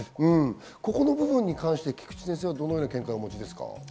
ここの部分に関して菊地先生はどのような見解をお持ちですか？